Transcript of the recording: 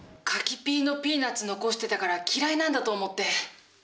柿ピーのピーナツ残してたから嫌いなんだと思って！